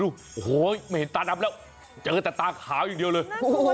โอ้โหไม่เห็นตาดำแล้วเจอแต่ตาขาวอย่างเดียวเลย